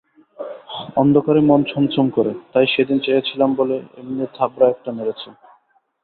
অন্ধকারে মন ছমছম করে, তাই সেদিন চেয়েছিলাম বলে এমনি থাবড়া একটা মেরেচে!